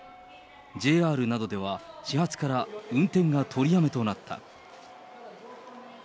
ＪＲなどでは、始発から運転が取りやめとなった。